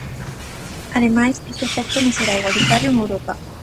Ademais, este efecto non será igualitario en Europa.